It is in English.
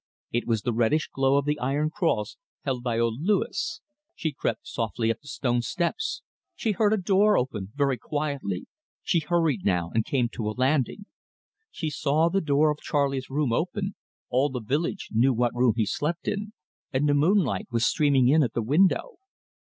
It was the reddish glow of the iron cross held by old Louis. She crept softly up the stone steps. She heard a door open very quietly. She hurried now, and came to the landing. She saw the door of Charley's room open all the village knew what room he slept in and the moonlight was streaming in at the window.